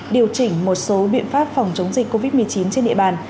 điều chỉnh một số biện pháp phòng chống dịch covid một mươi chín trên địa bàn